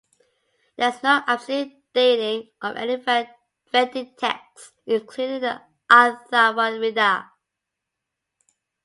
There is no absolute dating of any Vedic text including the Atharvaveda.